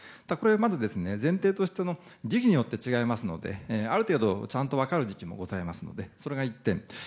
まず前提として時期によって違いますのである程度ちゃんと分かる時期もございますのでそれが１点。